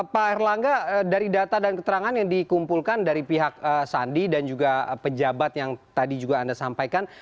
pak erlangga dari data dan keterangan yang dikumpulkan dari pihak sandi dan juga pejabat yang tadi juga anda sampaikan